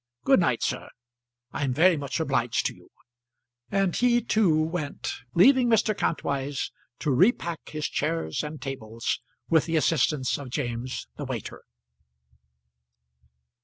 Good night, sir; I'm very much obliged to you." And he too went, leaving Mr. Kantwise to repack his chairs and tables with the assistance of James the waiter.